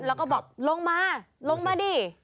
แล้วก็บอกลงมาลงมาดิ